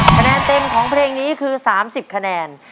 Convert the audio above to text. คะแนนเต็มของเพลงนี้คือ๓๐คะแนน